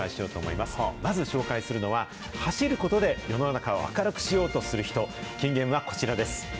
まず紹介するのは、走ることで世の中を明るくしようとする人、金言はこちらです。